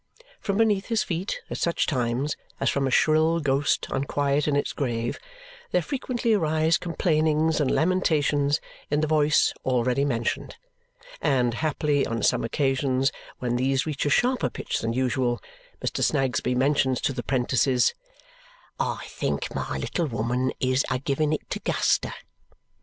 From beneath his feet, at such times, as from a shrill ghost unquiet in its grave, there frequently arise complainings and lamentations in the voice already mentioned; and haply, on some occasions when these reach a sharper pitch than usual, Mr. Snagsby mentions to the 'prentices, "I think my little woman is a giving it to Guster!"